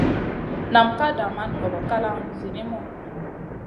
Nam ka daman ŋolo kalang zinimu.